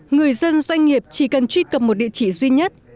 người dân doanh nghiệp chỉ cần truy cập một địa chỉ duy nhất